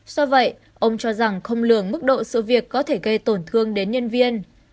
do vậy ông cho rằng không lường mức độ sự việc có thể gây tổn thương đến nhân viên